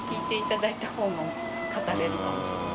語れるかもしれない。